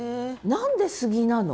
何で杉なの？